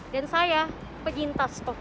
dan saya penyintas covid sembilan belas